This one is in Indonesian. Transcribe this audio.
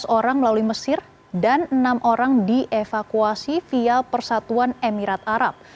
tiga belas orang melalui mesir dan enam orang dievakuasi via persatuan emirat arab